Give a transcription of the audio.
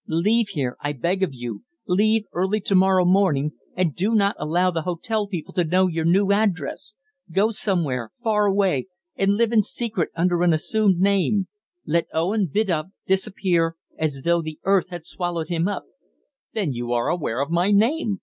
Leave here, I beg of you; leave early to morrow morning, and do not allow the hotel people to know your new address. Go somewhere far away and live in secret under an assumed name. Let Owen Biddulph disappear as though the earth had swallowed him up." "Then you are aware of my name!"